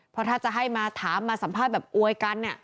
เพราะถ้าจะให้มาถามมาสัมภาษณ์แบบอวยกัน